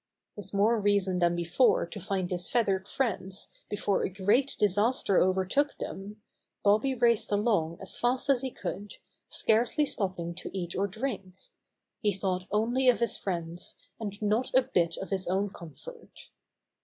With more reason than before to find his feathered friends before a great disaster over took them, Bobby raced along as fast as he could, scarcely stopping to eat or drink. He thought only of his friends, and not a bit of his own comfort.